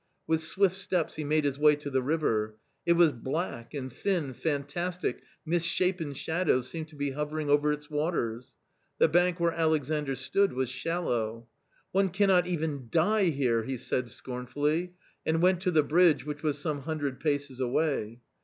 With swift steps he made his way to the river. It was black, and thin, fantastic, misshapen shadows seemed to be hovering over its waters. The bank where Alexandr stood was shallow. " One cannot even die here !" he said scornfully, and went to the bridge which was some hundred paces away.